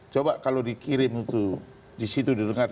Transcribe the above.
coba kalau dikirim itu di situ di dengar